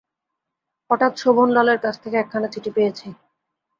হঠাৎ শোভনলালের কাছ থেকে একখানা চিঠি পেয়েছি।